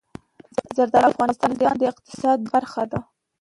زردالو د افغانستان د اقتصاد برخه ده.